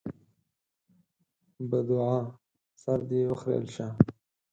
بدوعا: سر دې وخرېيل شه!